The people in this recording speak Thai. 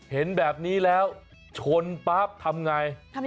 เห็นแบบนี้แล้วชนปั๊บทำไง